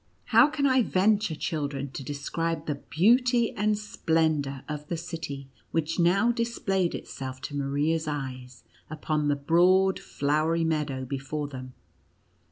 How can I venture, children, to describe the beauty and splendor of the city which now displayed itself to Maria's eyes, upon the broad, flowery meadow before them?